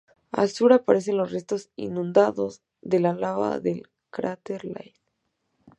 Al sur aparecen los restos inundados de lava del cráter Lade.